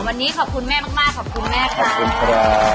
วันนี้ขอบคุณแม่มากขอบคุณแม่ค่ะคุณครู